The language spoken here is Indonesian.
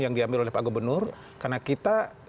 yang diambil oleh pak gubernur karena kita